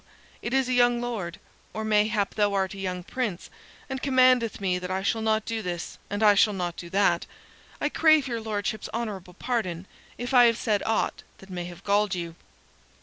it is a young Lord or mayhap thou art a young Prince and commandeth me that I shall not do this and I shall not do that. I crave your Lordship's honorable pardon, if I have said aught that may have galled you."